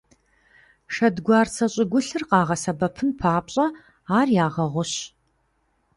Шэдгуарцэ щӀыгулъыр къагъэсэбэпын папщӀэ, ар ягъэгъущ.